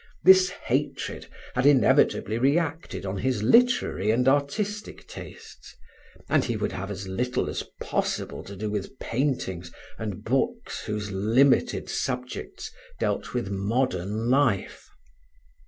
This hatred had inevitably reacted on his literary and artistic tastes, and he would have as little as possible to do with paintings and books whose limited subjects dealt with modern life.